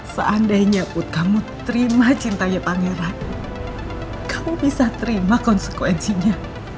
seandainya kamu terima cintanya pangeran kamu bisa terima konsekuensinya